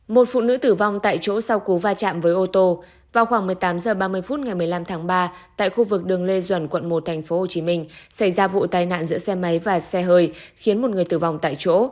một phụ nữ tử vong tại chỗ sau cú va chạm với ô tô vào khoảng một mươi tám h ba mươi phút ngày một mươi năm tháng ba tại khu vực đường lê duẩn quận một tp hcm xảy ra vụ tai nạn giữa xe máy và xe hơi khiến một người tử vong tại chỗ